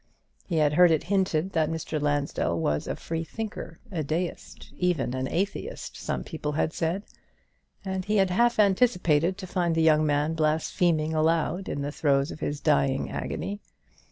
He had heard it hinted that Mr. Lansdell was a Freethinker a Deist; even an Atheist, some people had said; and he had half anticipated to find the young man blaspheming aloud in the throes of his dying agony.